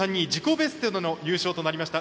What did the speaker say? ベストでの優勝となりました